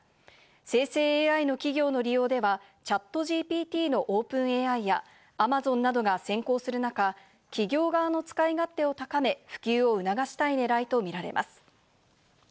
生成ＡＩの企業の利用では、ＣｈａｔＧＰＴのオープンＡＩやＡｍａｚｏｎなどが先行する中、企業側の使い勝手を高め、普及を促したい狙いとみられます。